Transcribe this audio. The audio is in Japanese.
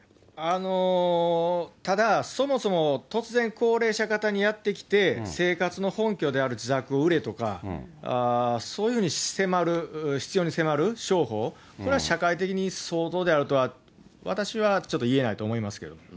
ただ、そもそも突然、高齢者方にやって来て、生活の本拠である自宅を売れとか、そういうふうに必要に迫る商法、これは社会的に相当であるとは、私はちょっと言えないと思いますけどね。